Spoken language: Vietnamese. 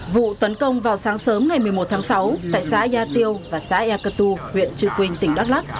vụ tấn công vào sáng sớm ngày một mươi một tháng sáu tại xã yà tiêu và xã ea cơ tu huyện trư quynh tỉnh đắk lắc